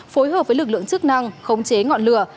phối hợp với lực lượng chức năng khống chế ngọn lửa